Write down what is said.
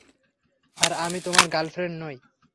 আর আমি তোমার গার্লফ্রেন্ড নই!